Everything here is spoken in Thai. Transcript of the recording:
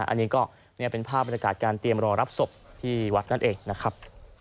อันนี้ก็เป็นภาพบรรยากาศการเตรียมรอรับศพที่วัดนั่นเองนะครับ